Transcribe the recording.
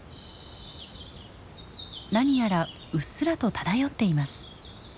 何やらうっすらと漂っています。